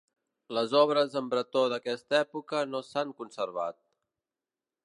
Les obres en bretó d'aquesta època no s'han conservat.